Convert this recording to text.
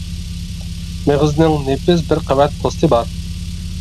مېغىزنىڭ نېپىز بىر قەۋەت پوستى بار.